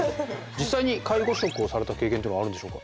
実際に介護職をされた経験っていうのはあるんでしょうか。